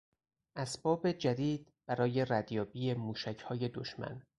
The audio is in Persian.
اسباب جدید برای ردیابی موشک های دشمن